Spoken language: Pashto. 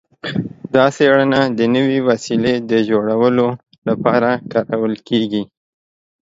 دا څیړنه د نوې وسیلې د جوړولو لپاره کارول کیږي.